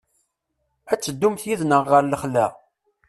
Ad teddumt yid-neɣ ɣer lexla?